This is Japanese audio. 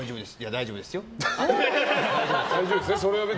大丈夫ですよ。